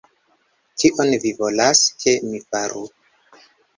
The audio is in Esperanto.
Kion vi volas, ke mi faru!